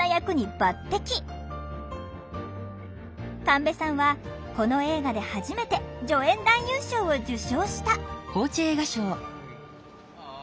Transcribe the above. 神戸さんはこの映画で初めて助演男優賞を受賞した！